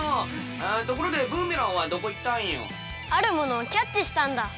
ところでブーメランはどこいったんよ？あるものをキャッチしたんだ。